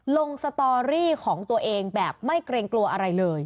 สตอรี่ของตัวเองแบบไม่เกรงกลัวอะไรเลย